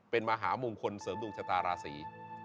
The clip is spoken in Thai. เป็นมหามงคลเสริมดวงชะตาราศี